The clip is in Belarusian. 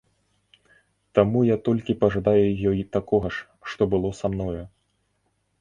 Таму я толькі пажадаю ёй такога ж, што было са мною.